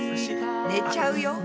寝ちゃうよ。